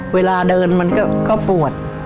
เวลาเดินมันก็ปวด